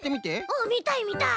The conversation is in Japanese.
うんみたいみたい。